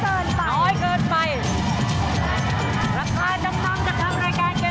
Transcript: บอกเลยว่าถ้าค้องอาหารทุนที่ตีมาเนี่ย